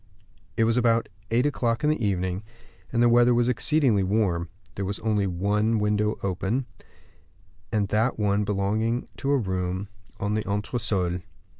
It was about eight o'clock in the evening, and the weather was exceedingly warm; there was only one window open, and that one belonging to a room on the entresol.